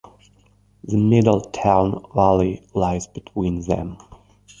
The Middletown Valley lies between them.